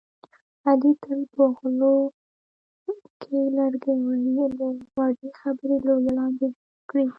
علي تل په غولو کې لرګي وهي، له وړې خبرې لویه لانجه جوړه کړي.